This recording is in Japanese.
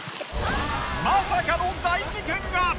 まさかの大事件が！